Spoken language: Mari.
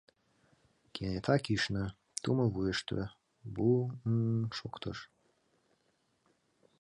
Кенета кӱшнӧ, тумо вуйышто, бу-у-ҥ-ҥ шоктыш.